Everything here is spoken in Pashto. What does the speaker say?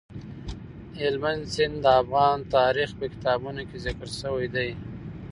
هلمند سیند د افغان تاریخ په کتابونو کې ذکر شوی دی.